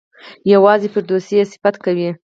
یوازې فردوسي یې صفت کوي.